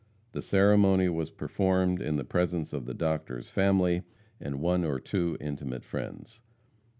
The ceremony was performed in the presence of the Doctor's family and one or two intimate friends.